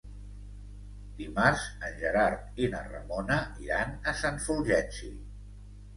Dimarts en Gerard i na Ramona iran a Sant Fulgenci.